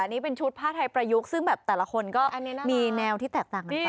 นี่เป็นชุดผ้าไทยประยุกต์ซึ่งแบบแต่ละคนก็มีแนวที่แตกต่างกันไป